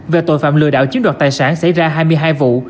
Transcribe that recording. về tội phạm lừa đảo chiếm đoạt tài sản xảy ra hai mươi hai vụ